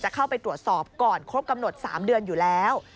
เข้าไปตรวจสอบก่อนครบกำหนด๓เดือนอยู่แล้ว